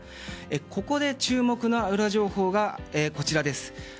ここで注目のウラ情報がこちらです。